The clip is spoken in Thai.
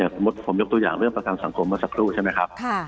สมมุติผมยกตัวอย่างเรื่องประกันสังคมเมื่อสักครู่ใช่ไหมครับ